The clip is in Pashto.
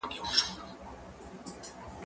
ته ولي واښه راوړې!.